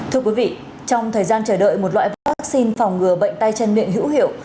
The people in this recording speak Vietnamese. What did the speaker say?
thưa quý vị trong thời gian chờ đợi một loại vaccine phòng ngừa bệnh tay chân miệng hữu hiệu